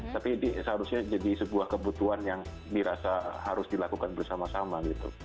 tapi ini seharusnya jadi sebuah kebutuhan yang dirasa harus dilakukan bersama sama gitu